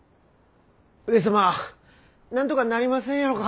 上様なんとかなりませんやろか！